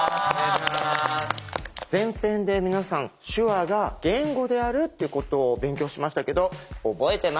前編で皆さん手話が言語であるっていうことを勉強しましたけど覚えてますか？